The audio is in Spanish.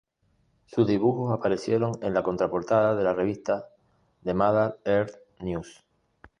Sus dibujos aparecieron en la contraportada de la revista "The Mother Earth News".